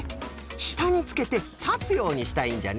したにつけてたつようにしたいんじゃね。